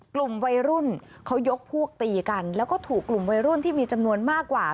กลุ่มวัยรุ่นเขายกพวกตีกันแล้วก็ถูกกลุ่มวัยรุ่นที่มีจำนวนมากกว่า